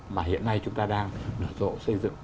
mà hiện nay chúng ta đang sử dụng